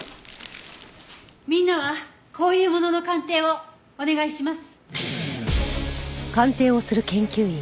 みんなはこういうものの鑑定をお願いします。